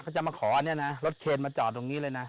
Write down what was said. เขาจะมาขอเนี่ยนะรถเคนมาจอดตรงนี้เลยนะ